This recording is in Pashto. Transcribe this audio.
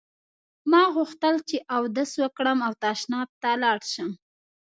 ما غوښتل چې اودس وکړم او تشناب ته لاړ شم.